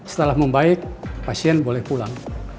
setelah membaik pasien boleh pulang